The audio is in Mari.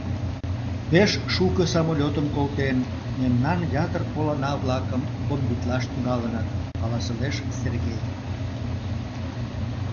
Пеш шуко самолётым колтен, мемнан ятыр олана-влакым бомбитлаш тӱҥалыныт... — каласылеш Сергей.